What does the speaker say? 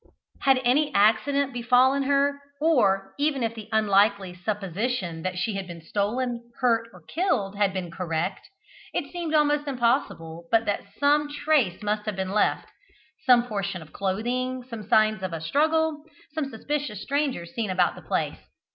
Had any accident befallen her, or even if the unlikely supposition that she had been stolen, hurt, or killed, had been correct, it seemed almost impossible but that some trace must have been left some portion of clothing, some signs of a struggle, some suspicious strangers seen about the place.